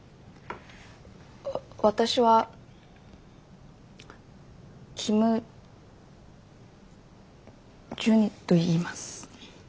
私はキム・ジュニといいます。